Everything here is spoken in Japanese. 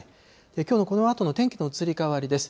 きょうのこのあとの天気の移り変わりです。